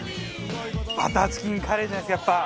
バターチキンカレーじゃないですか？